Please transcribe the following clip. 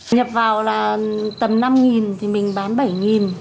nhập vào là tầm năm nghìn thì mình bán bảy nghìn